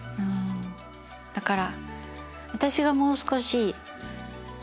だから。